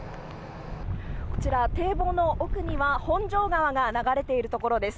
こちら堤防の奥には本庄川が流れているところです。